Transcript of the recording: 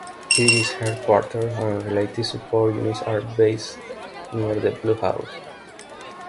Its headquarters and related support units are based near the Blue House.